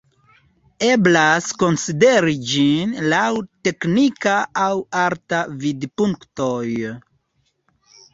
Eblas konsideri ĝin laŭ teknika aŭ arta vidpunktoj.